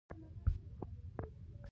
ما ورته وویل چې دا بلاک موږ پخپله تلاشي کړ